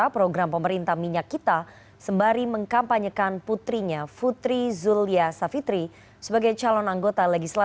pantas atau enggak mas yoga